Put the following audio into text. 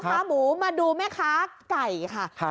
ขาหมูมาดูแม่ค้าไก่ค่ะ